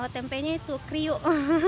tempenya itu kriuk